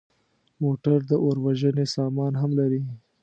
موټر د اور وژنې سامان هم لري.